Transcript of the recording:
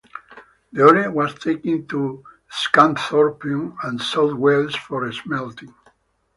The ore was taken to Scunthorpe and South Wales for smelting.